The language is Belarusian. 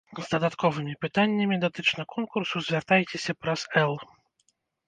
З дадатковымі пытаннямі датычна конкурсу звяртайцеся праз эл.